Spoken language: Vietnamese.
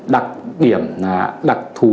đặc điểm đặc thù